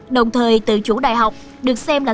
đồng thời tự chủ đại học được xem là